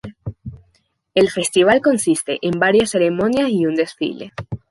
El festival consiste en varias ceremonias y un desfile.